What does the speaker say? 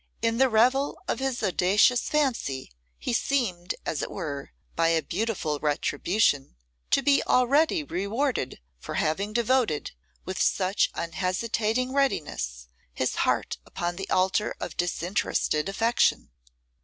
In the revel of his audacious fancy he seemed, as it were, by a beautiful retribution, to be already rewarded for having devoted, with such unhesitating readiness, his heart upon the altar of disinterested affection.